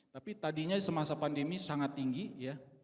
tapi tadinya semasa pandemi sangat tinggi ya